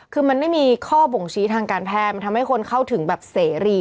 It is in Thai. คือมันไม่มีข้อบ่งชี้ทางการแพทย์มันทำให้คนเข้าถึงแบบเสรี